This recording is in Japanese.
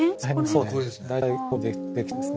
そうですね。